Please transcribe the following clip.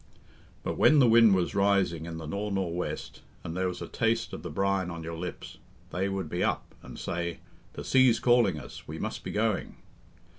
But when the wind was rising in the nor nor west, and there was a taste of the brine on your lips, they would be up, and say, "The sea's calling us we must be going."